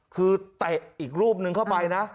คือเตะอีกรูปนึงเข้าไปนะ